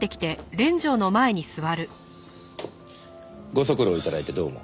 ご足労頂いてどうも。